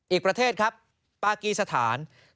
อีกประเทศครับปากีสถาน